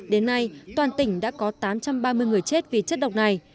đến nay toàn tỉnh đã có tám trăm ba mươi người chết vì chất độc này